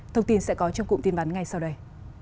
thông tin sẽ có trong cụm tin bắn ngay sau đây